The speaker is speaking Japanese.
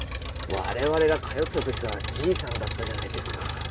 われわれが通ってたときからじいさんだったじゃないですか。